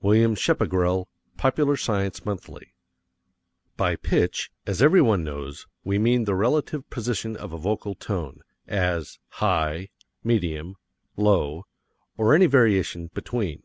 WILLIAM SCHEPPEGRELL, Popular Science Monthly. By pitch, as everyone knows, we mean the relative position of a vocal tone as, high, medium, low, or any variation between.